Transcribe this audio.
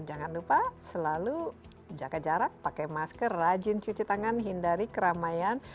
jangan lupa selalu jaga jarak pakai masker rajin cuci tangan hindari keramaian